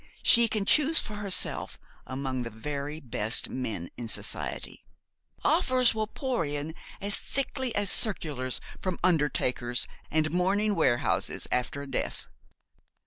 She can choose for herself among the very best men in society. Offers will pour in as thickly as circulars from undertakers and mourning warehouses after a death.